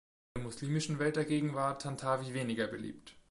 In der muslimischen Welt dagegen war Tantawi weniger beliebt.